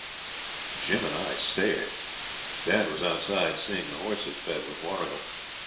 Jim and I stared. Dad was outside, seeing the horses fed, with Warrigal.